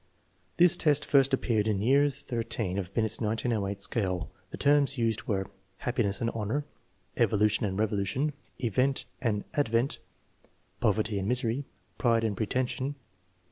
This test first appeared in year XIII of Binet's 1908 scale. The terms used were "happiness and honor"; " evolution and revolution ";" event and advent ; "poverty and misery"; "pride and pretension."